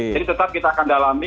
jadi tetap kita akan dalami